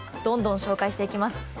どんどん紹介していきます。